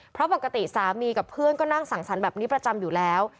เพราะปกติสามีกับเพื่อนก็นั่งสั่งสรรค์แบบนี้ประจำอยู่แล้ว